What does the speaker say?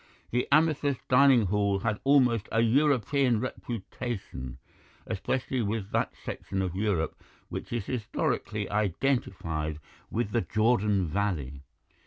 The Amethyst dining hall had almost a European reputation, especially with that section of Europe which is historically identified with the Jordan Valley.